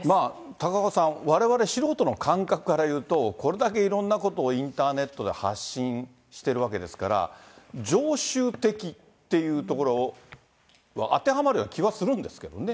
高岡さん、われわれ素人の感覚から言うと、これだけいろんなことをインターネットで発信してるわけですから、常習的っていうところは当てはまるような気はするんですけどね。